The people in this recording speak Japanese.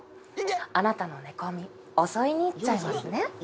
「あなたの寝込み襲いに行っちゃいますね」